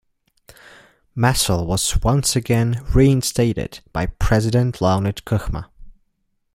Masol was once again reinstated by President Leonid Kuchma.